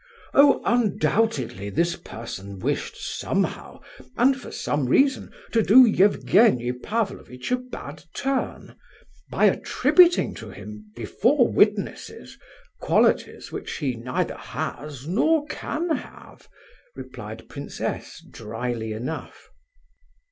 "Oh, undoubtedly, this person wished somehow, and for some reason, to do Evgenie Pavlovitch a bad turn, by attributing to him—before witnesses—qualities which he neither has nor can have," replied Prince S. drily enough.